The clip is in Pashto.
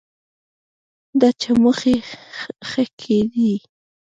دا چموښي ښکي دي